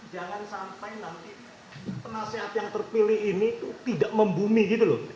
jangan sampai nanti penasehat yang terpilih ini tuh tidak membumi gitu loh